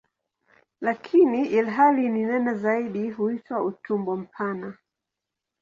Lakini ilhali ni nene zaidi huitwa "utumbo mpana".